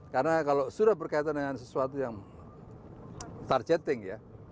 karena kalau sudah berkaitan dengan sesuatu yang targeting ya